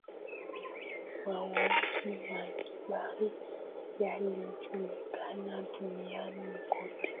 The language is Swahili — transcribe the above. mauaji ya kimbari yalijulikana duniani kote